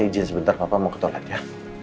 ijin sebentar papa mau ke toilet ya